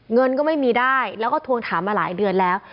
เงินก็ไม่มีได้แล้วก็ทวงถามมาหลายเดือนแล้ว